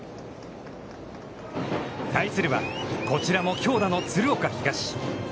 対するは、こちらも強打の鶴岡東。